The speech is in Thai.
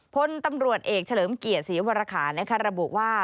พลตำรวจเอกเฉลิมเกียรติศรีวรคารระบุว่า